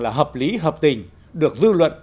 là hợp lý hợp tình được dư luận